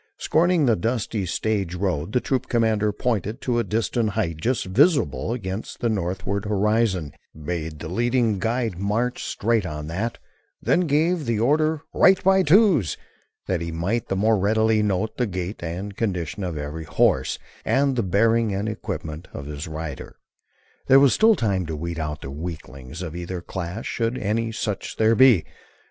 Scorning the dusty stage road, the troop commander pointed to a distant height just visible against the northward horizon, bade the leading guide march straight on that; then gave the order "Right by Twos," that he might the more readily note the gait and condition of every horse and the bearing and equipment of his rider. There was still time to weed out weaklings of either class should any such there be.